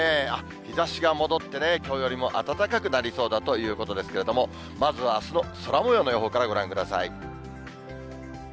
日ざしが戻ってね、きょうよりも暖かくなりそうだということですけれども、まずはあすの空もようの予報からご覧ください。